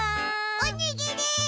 おにぎり！